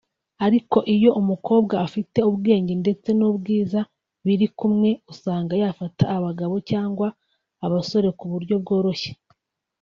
Ariko iyo umukobwa afite ubwenge ndetse n’ubwiza biri kumwe usanga yafata abagabo cyangwa abasore ku buryo bworoshye